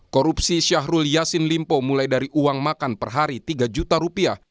korupsi syahrul yassin limpo mulai dari uang makan per hari tiga juta rupiah